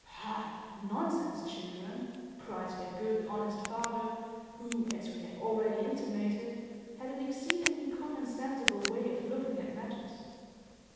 "Poh, nonsense, children!" cried their good, honest father, who, as we have already intimated, had an exceedingly common sensible way of looking at matters.